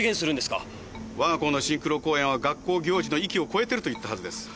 我が校のシンクロ公演は学校行事の域を超えてると言ったはずです。